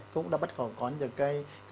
cũng đã bắt có những cái